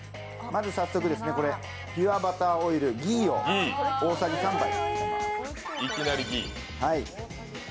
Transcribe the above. まず早速ピュアバターオイルギーを大さじ３杯。